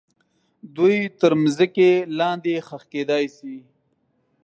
دوی تر مځکې لاندې ښخ کیدای سي.